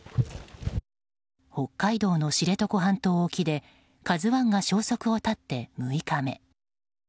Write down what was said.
北海道の知床半島沖で「ＫＡＺＵ１」が消息を絶って６日目。